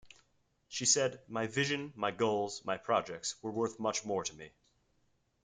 She said my vision, my goals, my projects, were worth much more to me.